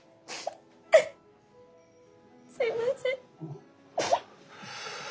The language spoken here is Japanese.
すみません。